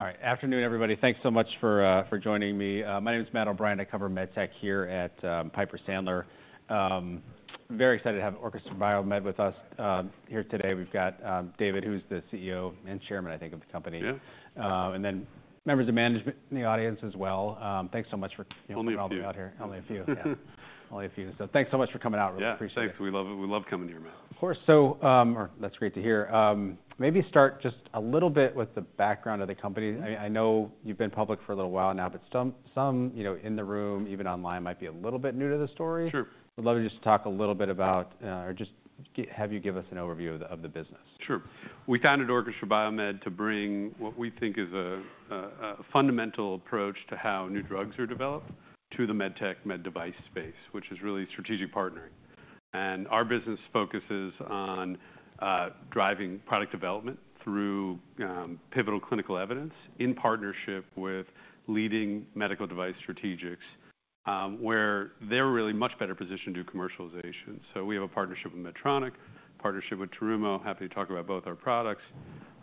All right. Afternoon, everybody. Thanks so much for joining me. My name is Matt O'Brien. I cover Med Tech here at Piper Sandler. Very excited to have Orchestra BioMed with us here today. We've got David, who's the CEO and Chairman, I think, of the company. Yeah. Then members of management in the audience as well. Thanks so much for coming out here. Only a few. Only a few. Yeah. Only a few. So thanks so much for coming out. Really appreciate it. Yeah. Thanks. We love coming here, Matt. Of course. So that's great to hear. Maybe start just a little bit with the background of the company. I know you've been public for a little while now, but some in the room, even online, might be a little bit new to the story. Sure. We'd love to just talk a little bit about or just have you give us an overview of the business. Sure. We founded Orchestra BioMed to bring what we think is a fundamental approach to how new drugs are developed to the med tech, med device space, which is really strategic partnering. And our business focuses on driving product development through pivotal clinical evidence in partnership with leading medical device strategics, where they're really much better positioned to do commercialization. So we have a partnership with Medtronic, a partnership with Terumo. Happy to talk about both our products.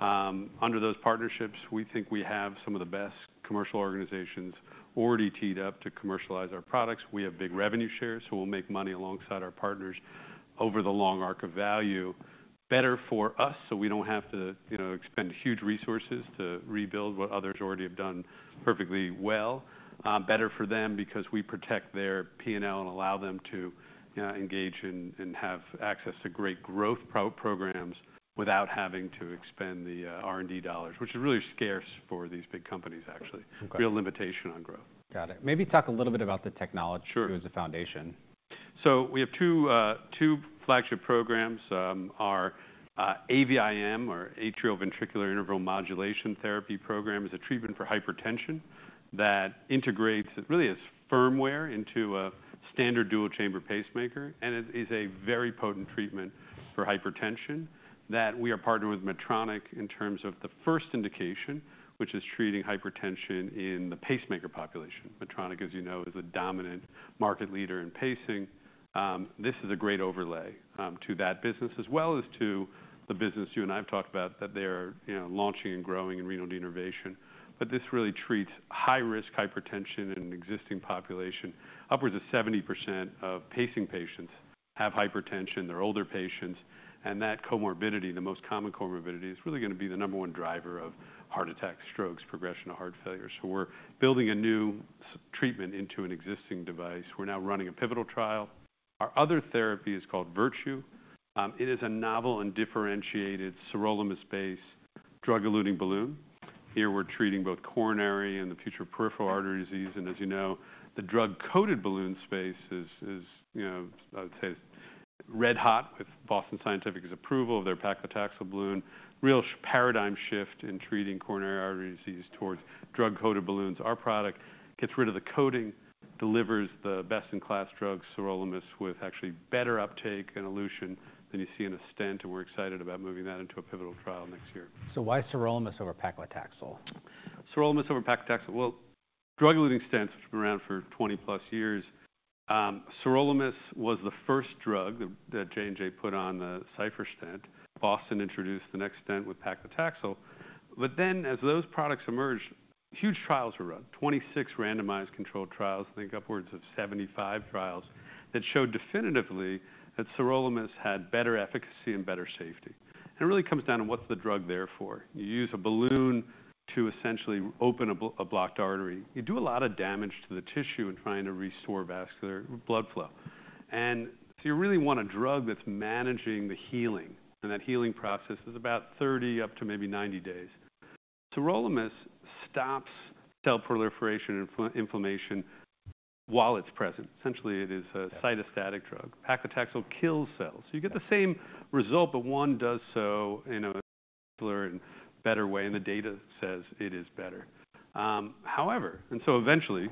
Under those partnerships, we think we have some of the best commercial organizations already teed up to commercialize our products. We have big revenue shares, so we'll make money alongside our partners over the long arc of value. Better for us, so we don't have to expend huge resources to rebuild what others already have done perfectly well. Better for them because we protect their P&L and allow them to engage and have access to great growth programs without having to expend the R&D dollars, which is really scarce for these big companies, actually. Real limitation on growth. Got it. Maybe talk a little bit about the technology as a foundation. Sure. So we have two flagship programs. Our AVIM, or Atrioventricular Interval Modulation Therapy Program, is a treatment for hypertension that integrates really as firmware into a standard dual-chamber pacemaker, and it is a very potent treatment for hypertension that we are partnered with Medtronic in terms of the first indication, which is treating hypertension in the pacemaker population. Medtronic, as you know, is a dominant market leader in pacing. This is a great overlay to that business, as well as to the business you and I have talked about, that they are launching and growing in renal denervation, but this really treats high-risk hypertension in an existing population. Upwards of 70% of pacing patients have hypertension. They're older patients, and that comorbidity, the most common comorbidity, is really going to be the number one driver of heart attacks, strokes, progression of heart failure. We're building a new treatment into an existing device. We're now running a pivotal trial. Our other therapy is called Virtue. It is a novel and differentiated sirolimus-based drug-eluting balloon. Here, we're treating both coronary and peripheral artery disease. As you know, the drug-coated balloon space is, I would say, red-hot with Boston Scientific's approval of their paclitaxel balloon. Real paradigm shift in treating coronary artery disease towards drug-coated balloons. Our product gets rid of the coating, delivers the best-in-class drug sirolimus with actually better uptake and elution than you see in a stent. We're excited about moving that into a pivotal trial next year. So why sirolimus over paclitaxel? Sirolimus over paclitaxel. Drug-eluting stents have been around for 20+ years. Sirolimus was the first drug that J&J put on the Cypher stent. Boston introduced the next stent with paclitaxel. But then, as those products emerged, huge trials were run. 26 randomized controlled trials. I think upwards of 75 trials that showed definitively that sirolimus had better efficacy and better safety. And it really comes down to what's the drug there for. You use a balloon to essentially open a blocked artery. You do a lot of damage to the tissue in trying to restore vascular blood flow. And so you really want a drug that's managing the healing. And that healing process is about 30 up to maybe 90 days. Sirolimus stops cell proliferation and inflammation while it's present. Essentially, it is a cytostatic drug. Paclitaxel kills cells. You get the same result, but one does so in a simpler and better way. The data says it is better. However, and so eventually,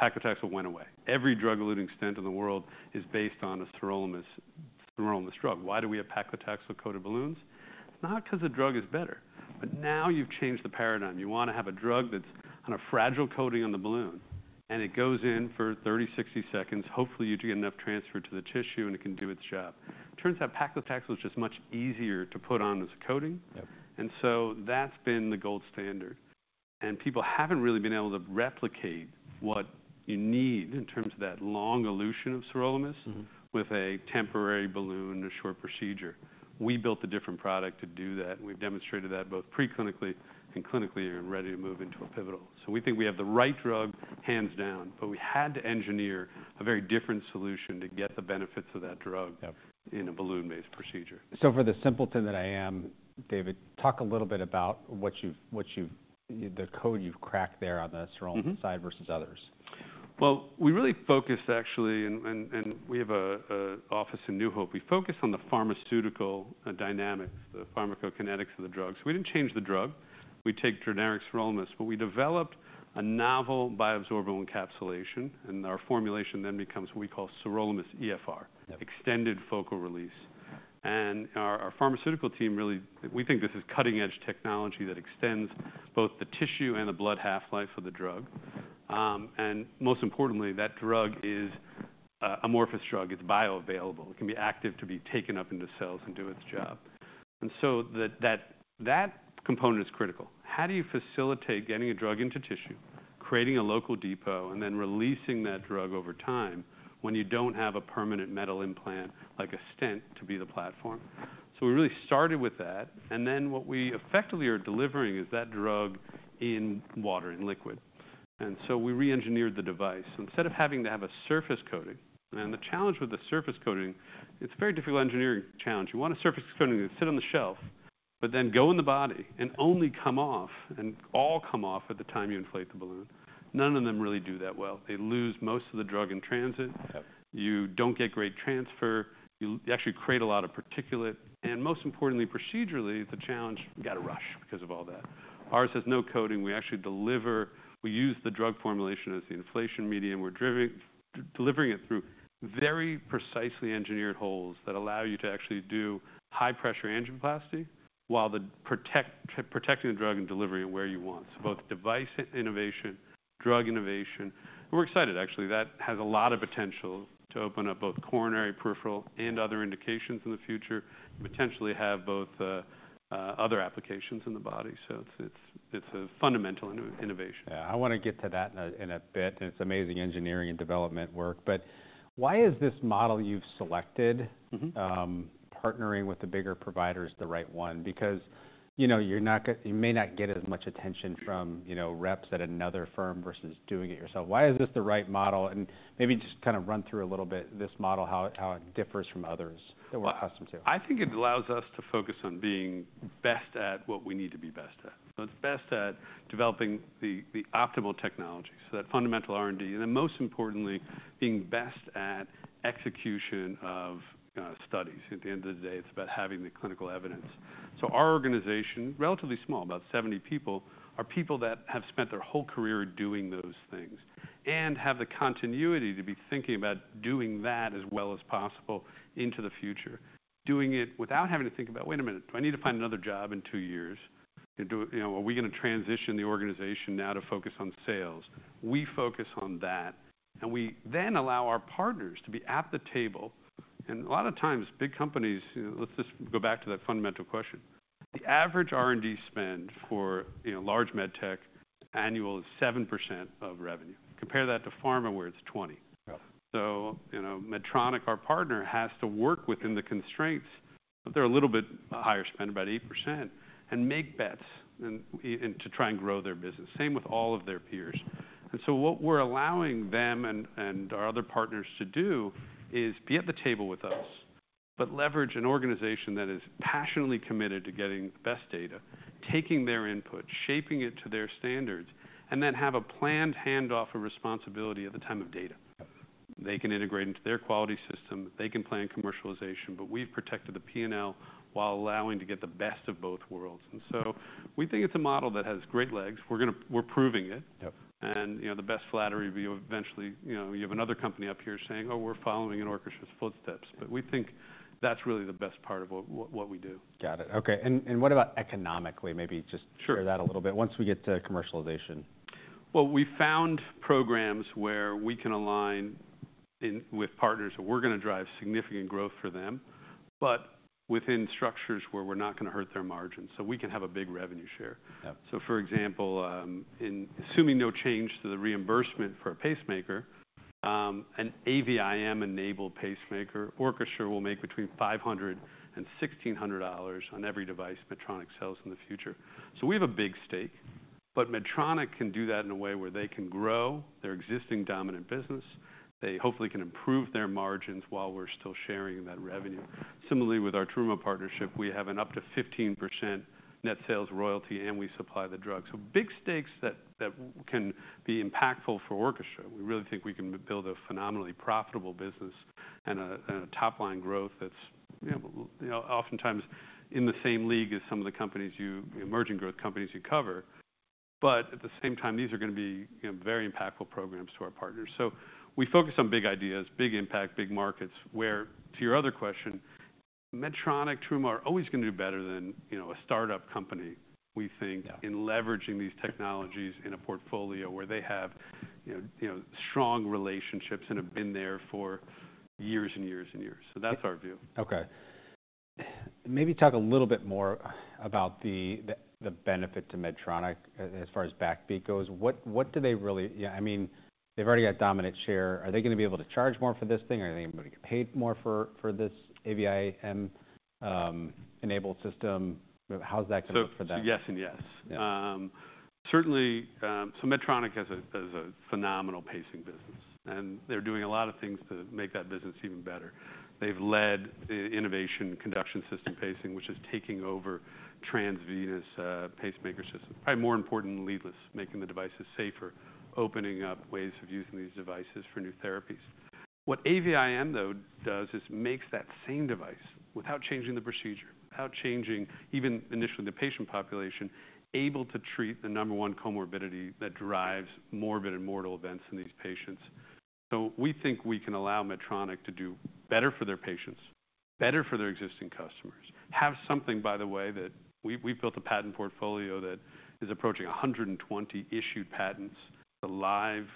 paclitaxel went away. Every drug-eluting stent in the world is based on a sirolimus drug. Why do we have paclitaxel-coated balloons? Not because the drug is better. But now you've changed the paradigm. You want to have a drug that's on a fragile coating on the balloon. And it goes in for 30-60 seconds. Hopefully, you get enough transfer to the tissue, and it can do its job. Turns out paclitaxel is just much easier to put on as a coating. And so that's been the gold standard. And people haven't really been able to replicate what you need in terms of that long elution of sirolimus with a temporary balloon and a short procedure. We built a different product to do that. We've demonstrated that both preclinically and clinically, and are ready to move into a pivotal. So we think we have the right drug, hands down. But we had to engineer a very different solution to get the benefits of that drug in a balloon-based procedure. So for the simpleton that I am, David, talk a little bit about the code you've cracked there on the sirolimus side versus others. We really focused, actually, and we have an office in New Hope. We focused on the pharmaceutical dynamics, the pharmacokinetics of the drug. We didn't change the drug. We take generic sirolimus. We developed a novel bioabsorbable encapsulation. Our formulation then becomes what we call SirolimusEFR, extended focal release. Our pharmaceutical team really thinks this is cutting-edge technology that extends both the tissue and the blood half-life of the drug. Most importantly, that drug is an amorphous drug. It's bioavailable. It can be active to be taken up into cells and do its job. That component is critical. How do you facilitate getting a drug into tissue, creating a local depot, and then releasing that drug over time when you don't have a permanent metal implant like a stent to be the platform? We really started with that. And then what we effectively are delivering is that drug in water, in liquid. And so we re-engineered the device. Instead of having to have a surface coating and the challenge with the surface coating, it's a very difficult engineering challenge. You want a surface coating that can sit on the shelf, but then go in the body and only come off and all come off at the time you inflate the balloon. None of them really do that well. They lose most of the drug in transit. You don't get great transfer. You actually create a lot of particulate. And most importantly, procedurally, the challenge we got to rush because of all that. Ours has no coating. We actually deliver. We use the drug formulation as the inflation medium. We're delivering it through very precisely engineered holes that allow you to actually do high-pressure angioplasty while protecting the drug and delivering it where you want. So both device innovation, drug innovation. And we're excited, actually. That has a lot of potential to open up both coronary, peripheral, and other indications in the future and potentially have both other applications in the body. So it's a fundamental innovation. Yeah. I want to get to that in a bit. And it's amazing engineering and development work. But why is this model you've selected, partnering with the bigger providers, the right one? Because you may not get as much attention from reps at another firm versus doing it yourself. Why is this the right model? And maybe just kind of run through a little bit this model, how it differs from others that we're accustomed to. I think it allows us to focus on being best at what we need to be best at. So it's best at developing the optimal technology, so that fundamental R&D. And then most importantly, being best at execution of studies. At the end of the day, it's about having the clinical evidence. So our organization, relatively small, about 70 people, are people that have spent their whole career doing those things and have the continuity to be thinking about doing that as well as possible into the future, doing it without having to think about, "Wait a minute. Do I need to find another job in two years? Are we going to transition the organization now to focus on sales?" We focus on that. And we then allow our partners to be at the table. And a lot of times, big companies, let's just go back to that fundamental question. The average R&D spend for large med tech annual is 7% of revenue. Compare that to pharma, where it's 20%. So Medtronic, our partner, has to work within the constraints. They're a little bit higher spend, about 8%, and make bets to try and grow their business, same with all of their peers. And so what we're allowing them and our other partners to do is be at the table with us, but leverage an organization that is passionately committed to getting the best data, taking their input, shaping it to their standards, and then have a planned handoff of responsibility at the time of data. They can integrate into their quality system. They can plan commercialization. But we've protected the P&L while allowing to get the best of both worlds. And so we think it's a model that has great legs. We're proving it. The best flattery will be eventually you have another company up here saying, "Oh, we're following in Orchestra's footsteps." But we think that's really the best part of what we do. Got it. OK. And what about economically? Maybe just share that a little bit once we get to commercialization. We found programs where we can align with partners that we're going to drive significant growth for them, but within structures where we're not going to hurt their margins so we can have a big revenue share. For example, assuming no change to the reimbursement for a pacemaker, an AVIM-enabled pacemaker, Orchestra will make between $500-$1,600 on every device Medtronic sells in the future. We have a big stake. Medtronic can do that in a way where they can grow their existing dominant business. They hopefully can improve their margins while we're still sharing that revenue. Similarly, with our Terumo partnership, we have an up to 15% net sales royalty, and we supply the drug. Big stakes that can be impactful for Orchestra. We really think we can build a phenomenally profitable business and a top-line growth that's oftentimes in the same league as some of the emerging growth companies you cover. But at the same time, these are going to be very impactful programs to our partners. So we focus on big ideas, big impact, big markets, where, to your other question, Medtronic, Terumo are always going to do better than a startup company, we think, in leveraging these technologies in a portfolio where they have strong relationships and have been there for years and years and years. So that's our view. OK. Maybe talk a little bit more about the benefit to Medtronic as far as BackBeat goes. What do they really, I mean, they've already got dominant share. Are they going to be able to charge more for this thing? Are they going to be able to get paid more for this AVIM-enabled system? How's that going to look for them? So yes and yes. Certainly, so Medtronic has a phenomenal pacing business. And they're doing a lot of things to make that business even better. They've led innovation in conduction system pacing, which is taking over transvenous pacemaker systems, probably more importantly, leadless, making the devices safer, opening up ways of using these devices for new therapies. What AVIM, though, does is makes that same device, without changing the procedure, without changing even initially the patient population, able to treat the number one comorbidity that drives morbid and mortal events in these patients. So we think we can allow Medtronic to do better for their patients, better for their existing customers, have something, by the way, that we've built a patent portfolio that is approaching 120 issued patents, the live,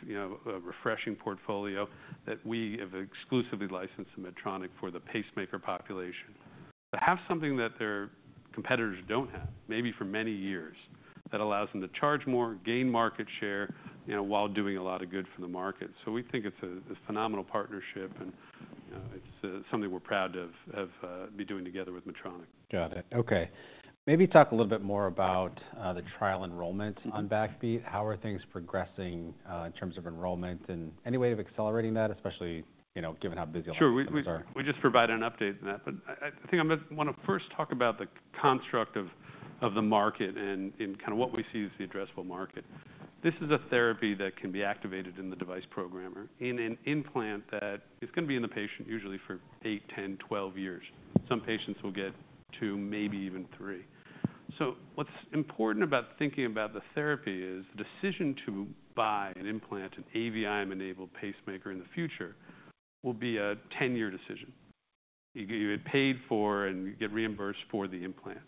refreshing portfolio that we have exclusively licensed to Medtronic for the pacemaker population. So have something that their competitors don't have, maybe for many years, that allows them to charge more, gain market share while doing a lot of good for the market. So we think it's a phenomenal partnership. And it's something we're proud to be doing together with Medtronic. Got it. OK. Maybe talk a little bit more about the trial enrollment on BackBeat. How are things progressing in terms of enrollment and any way of accelerating that, especially given how busy our companies are? Sure. We just provided an update on that. But I think I want to first talk about the construct of the market and kind of what we see as the addressable market. This is a therapy that can be activated in the device programmer, in an implant that is going to be in the patient usually for eight, 10, 12 years. Some patients will get to maybe even three. So what's important about thinking about the therapy is the decision to buy an implant, an AVIM-enabled pacemaker in the future, will be a 10-year decision. You get paid for and you get reimbursed for the implant.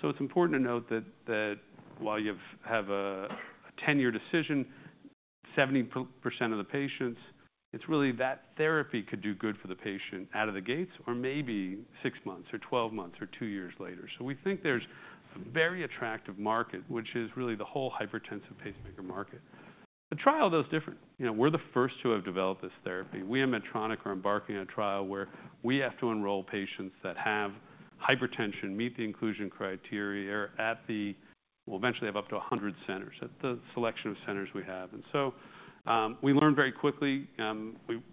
So it's important to note that while you have a 10-year decision, 70% of the patients, it's really that therapy could do good for the patient out of the gates or maybe six months or 12 months or two years later. So we think there's a very attractive market, which is really the whole hypertensive pacemaker market. The trial goes different. We're the first to have developed this therapy. We and Medtronic are embarking on a trial where we have to enroll patients that have hypertension, meet the inclusion criteria, are at the. We'll eventually have up to 100 centers at the selection of centers we have. And so we learned very quickly.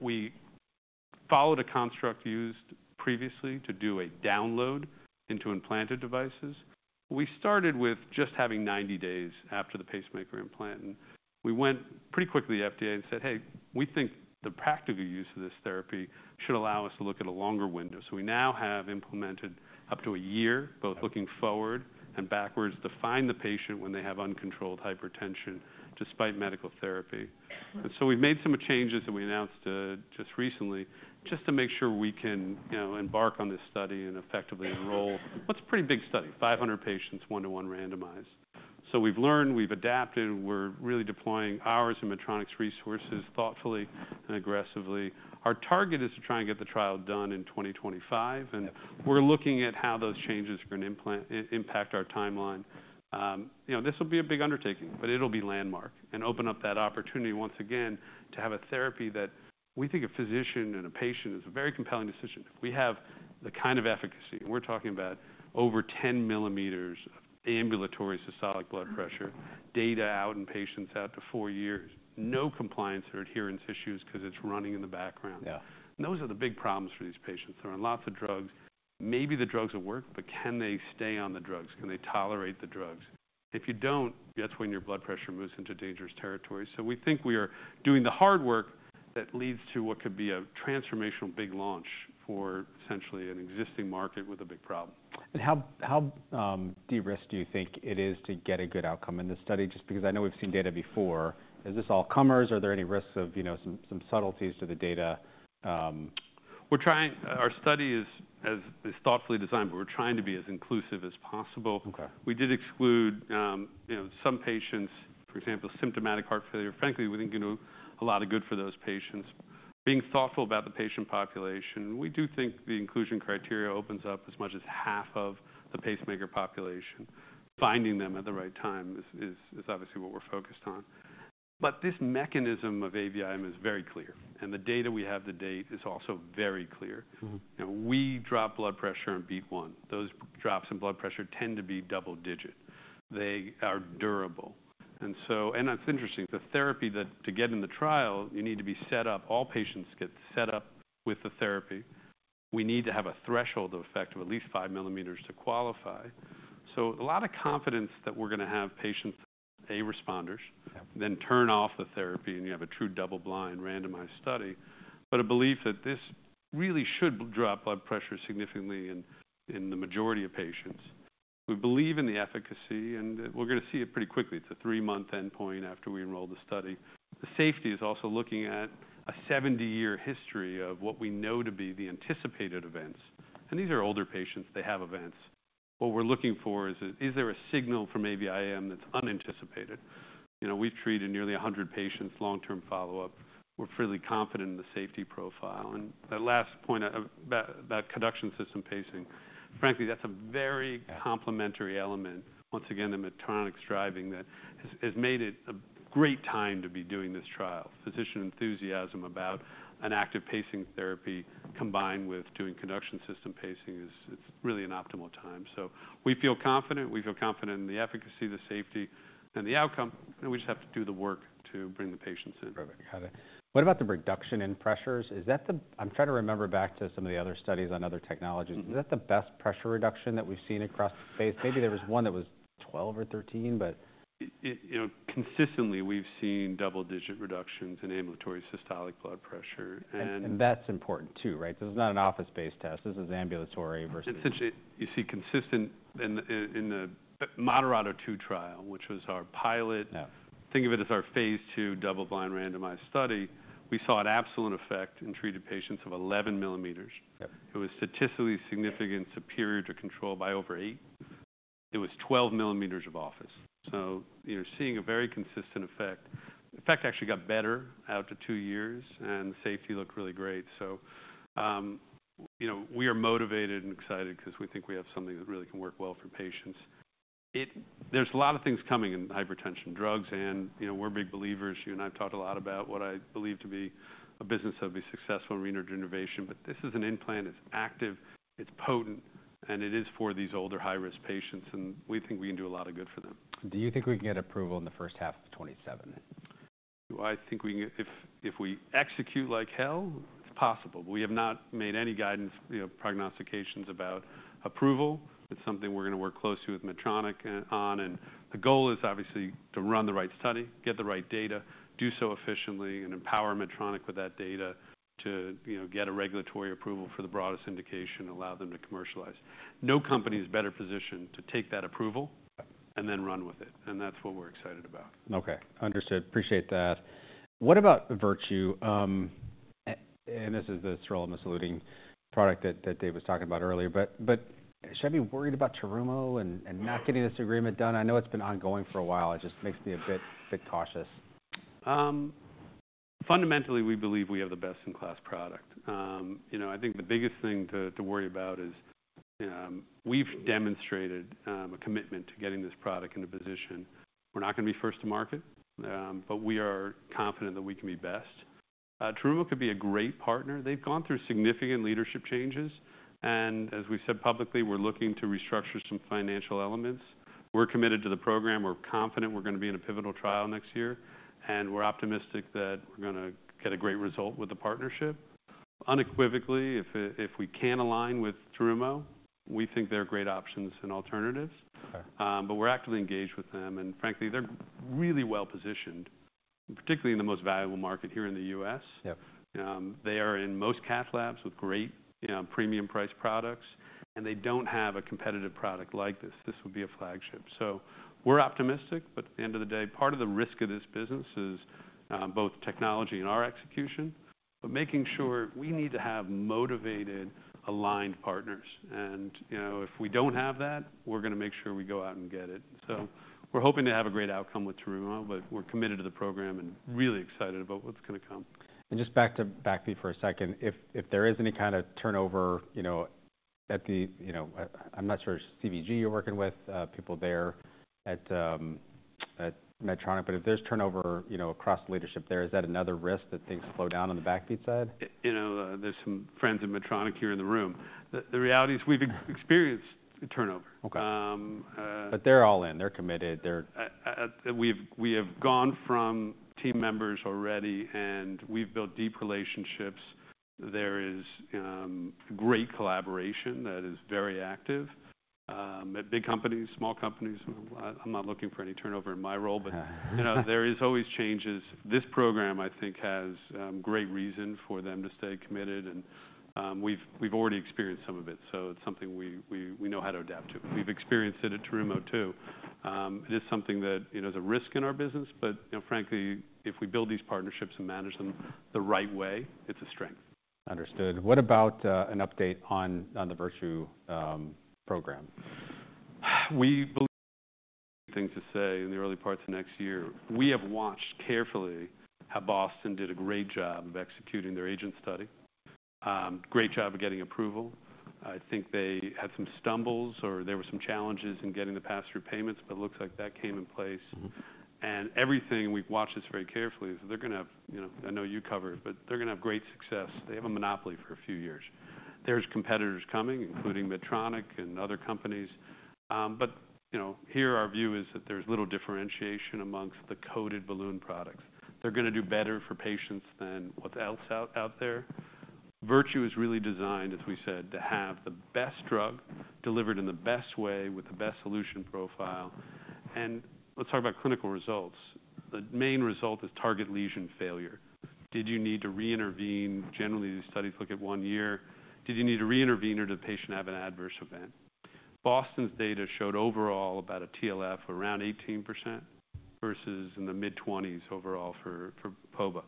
We followed a construct used previously to do a download into implanted devices. We started with just having 90 days after the pacemaker implant. And we went pretty quickly to the FDA and said, hey, we think the practical use of this therapy should allow us to look at a longer window. So we now have implemented up to a year, both looking forward and backwards, to find the patient when they have uncontrolled hypertension despite medical therapy. And so we've made some changes that we announced just recently just to make sure we can embark on this study and effectively enroll. It's a pretty big study, 500 patients, one-to-one randomized. So we've learned. We've adapted. We're really deploying ours and Medtronic's resources thoughtfully and aggressively. Our target is to try and get the trial done in 2025. And we're looking at how those changes are going to impact our timeline. This will be a big undertaking. But it'll be landmark and open up that opportunity once again to have a therapy that we think a physician and a patient is a very compelling decision. We have the kind of efficacy. And we're talking about over 10 millimeters of ambulatory systolic blood pressure, data out in patients out to four years, no compliance or adherence issues because it's running in the background. Those are the big problems for these patients. There are lots of drugs. Maybe the drugs will work. Can they stay on the drugs? Can they tolerate the drugs? If you don't, that's when your blood pressure moves into dangerous territory. We think we are doing the hard work that leads to what could be a transformational big launch for essentially an existing market with a big problem. How de-risked do you think it is to get a good outcome in this study? Just because I know we've seen data before. Is this all comers? Are there any risks of some subtleties to the data? Our study is thoughtfully designed. But we're trying to be as inclusive as possible. We did exclude some patients, for example, symptomatic heart failure. Frankly, we didn't do a lot of good for those patients. Being thoughtful about the patient population, we do think the inclusion criteria opens up as much as half of the pacemaker population. Finding them at the right time is obviously what we're focused on. But this mechanism of AVIM is very clear. And the data we have to date is also very clear. We drop blood pressure on beat one. Those drops in blood pressure tend to be double-digit. They are durable. And it's interesting. The therapy to get in the trial, you need to be set up. All patients get set up with the therapy. We need to have a threshold effect of at least five millimeters to qualify. So a lot of confidence that we're going to have patients, A, responders, then turn off the therapy. And you have a true double-blind randomized study. But a belief that this really should drop blood pressure significantly in the majority of patients. We believe in the efficacy. And we're going to see it pretty quickly. It's a three-month endpoint after we enroll the study. The safety is also looking at a 70-year history of what we know to be the anticipated events. And these are older patients. They have events. What we're looking for is, is there a signal from AVIM that's unanticipated? We've treated nearly 100 patients, long-term follow-up. We're fairly confident in the safety profile. And that last point about conduction system pacing, frankly, that's a very complementary element, once again, to Medtronic's driving that has made it a great time to be doing this trial. Physician enthusiasm about an active pacing therapy combined with doing conduction system pacing is really an optimal time. So we feel confident. We feel confident in the efficacy, the safety, and the outcome. And we just have to do the work to bring the patients in. Perfect. Got it. What about the reduction in pressures? I'm trying to remember back to some of the other studies on other technologies. Is that the best pressure reduction that we've seen across the space? Maybe there was one that was 12 or 13. But. Consistently, we've seen double-digit reductions in ambulatory systolic blood pressure. And that's important, too, right? This is not an office-based test. This is ambulatory versus. You see consistency in the MODERATO II trial, which was our pilot. Think of it as our phase II double-blind randomized study. We saw an absolute effect in treated patients of 11 millimeters. It was statistically significant, superior to control by over 8. It was 12 millimeters in office. So, seeing a very consistent effect. The effect actually got better out to two years, and the safety looked really great. So we are motivated and excited because we think we have something that really can work well for patients. There's a lot of things coming in hypertension drugs, and we're big believers. You and I have talked a lot about what I believe to be a business that would be successful in renal denervation, but this is an implant. It's active. It's potent, and it is for these older, high-risk patients. We think we can do a lot of good for them. Do you think we can get approval in the first half of 2027? I think if we execute like hell, it's possible. We have not made any guidance prognostications about approval. It's something we're going to work closely with Medtronic on. And the goal is obviously to run the right study, get the right data, do so efficiently, and empower Medtronic with that data to get a regulatory approval for the broadest indication and allow them to commercialize. No company is better positioned to take that approval and then run with it. And that's what we're excited about. OK. Understood. Appreciate that. What about Virtue? And this is the sirolimus-eluting product that Dave was talking about earlier. But should I be worried about Terumo and not getting this agreement done? I know it's been ongoing for a while. It just makes me a bit cautious. Fundamentally, we believe we have the best-in-class product. I think the biggest thing to worry about is we've demonstrated a commitment to getting this product into position. We're not going to be first to market, but we are confident that we can be best. Terumo could be a great partner. They've gone through significant leadership changes, and as we've said publicly, we're looking to restructure some financial elements. We're committed to the program. We're confident we're going to be in a pivotal trial next year, and we're optimistic that we're going to get a great result with the partnership. Unequivocally, if we can align with Terumo, we think they're great options and alternatives, but we're actively engaged with them, and frankly, they're really well-positioned, particularly in the most valuable market here in the US. They are in most cath labs with great premium-priced products. And they don't have a competitive product like this. This would be a flagship. So we're optimistic. But at the end of the day, part of the risk of this business is both technology and our execution. But making sure we need to have motivated, aligned partners. And if we don't have that, we're going to make sure we go out and get it. So we're hoping to have a great outcome with Terumo. But we're committed to the program and really excited about what's going to come. And just back to BackBeat for a second. If there is any kind of turnover at the, I'm not sure, CVG you're working with, people there at Medtronic. But if there's turnover across the leadership there, is that another risk that things slow down on the BackBeat side? There's some friends of Medtronic here in the room. The reality is we've experienced turnover. But they're all in. They're committed. We have gone from team members already. And we've built deep relationships. There is great collaboration that is very active at big companies, small companies. I'm not looking for any turnover in my role. But there is always changes. This program, I think, has great reason for them to stay committed. And we've already experienced some of it. So it's something we know how to adapt to. We've experienced it at Terumo, too. It is something that is a risk in our business. But frankly, if we build these partnerships and manage them the right way, it's a strength. Understood. What about an update on the Virtue program? We believe we have things to say in the early parts of next year. We have watched carefully how Boston did a great job of executing their AGENT study. Great job of getting approval. I think they had some stumbles or there were some challenges in getting the pass-through payments. But it looks like that came in place, and everything we've watched this very carefully is they're going to have. I know you cover it. But they're going to have great success. They have a monopoly for a few years. There's competitors coming, including Medtronic and other companies. But here, our view is that there's little differentiation amongst the coated balloon products. They're going to do better for patients than what else out there. Virtue is really designed, as we said, to have the best drug delivered in the best way with the best solution profile. Let's talk about clinical results. The main result is target lesion failure. Did you need to reintervene? Generally, these studies look at one year. Did you need to reintervene or did the patient have an adverse event? Boston's data showed overall about a TLF around 18% versus in the mid-20s overall for POBA.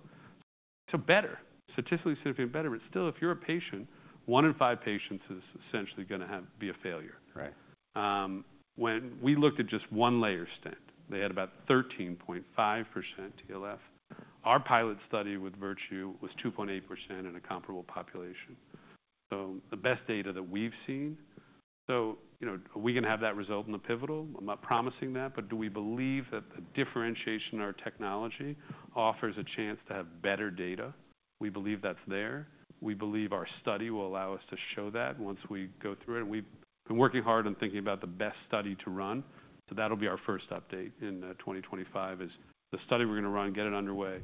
So better. Statistically significantly better. But still, if you're a patient, one in five patients is essentially going to be a failure. When we looked at just one layer stent, they had about 13.5% TLF. Our pilot study with Virtue was 2.8% in a comparable population. So the best data that we've seen. So are we going to have that result in the pivotal? I'm not promising that. But do we believe that the differentiation in our technology offers a chance to have better data? We believe that's there. We believe our study will allow us to show that once we go through it. And we've been working hard on thinking about the best study to run. So that'll be our first update in 2025, the study we're going to run and get it underway.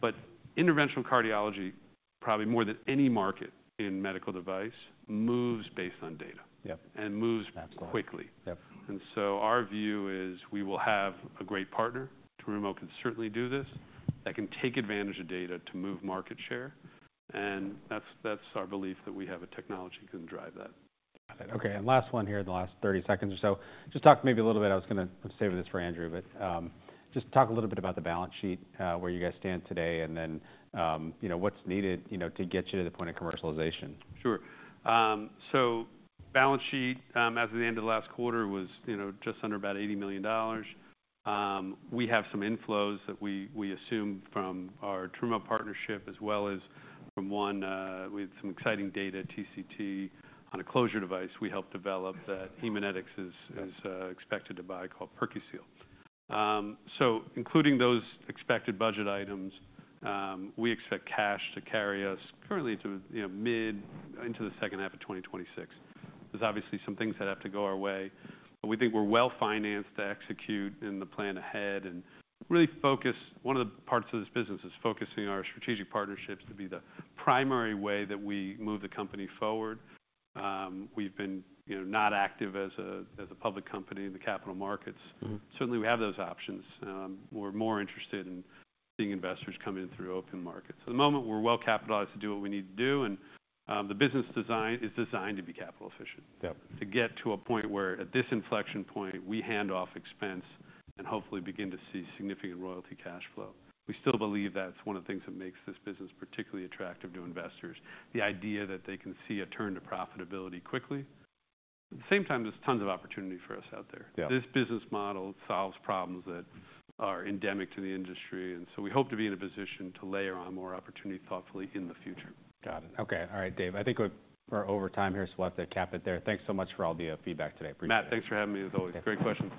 But interventional cardiology, probably more than any market in medical device, moves based on data and moves quickly. And so our view is we will have a great partner. Terumo can certainly do this. That can take advantage of data to move market share. And that's our belief that we have a technology that can drive that. Got it. OK. And last one here in the last 30 seconds or so. Just talk maybe a little bit. I was going to save this for Andrew. But just talk a little bit about the balance sheet, where you guys stand today, and then what's needed to get you to the point of commercialization. Sure. So balance sheet as of the end of last quarter was just under about $80 million. We have some inflows that we assume from our Terumo partnership as well as from one with some exciting data, TCT, on a closure device we helped develop that Haemonetics is expected to buy called PerQseal. So including those expected budget items, we expect cash to carry us currently into mid the second half of 2026. There's obviously some things that have to go our way. But we think we're well-financed to execute in the plan ahead and really focus one of the parts of this business is focusing our strategic partnerships to be the primary way that we move the company forward. We've been not active as a public company in the capital markets. Certainly, we have those options. We're more interested in seeing investors come in through open markets. At the moment, we're well-capitalized to do what we need to do. And the business design is designed to be capital efficient, to get to a point where at this inflection point, we hand off expense and hopefully begin to see significant royalty cash flow. We still believe that's one of the things that makes this business particularly attractive to investors, the idea that they can see a turn to profitability quickly. At the same time, there's tons of opportunity for us out there. This business model solves problems that are endemic to the industry. And so we hope to be in a position to layer on more opportunity thoughtfully in the future. Got it. OK. All right, Dave. I think we're over time here. So we'll have to cap it there. Thanks so much for all the feedback today. Appreciate it. Matt, thanks for having me. As always, great questions.